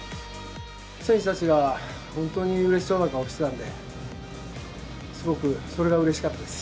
選手たちが本当にうれしそうな顔をしてたんで、すごくそれがうれしかったです。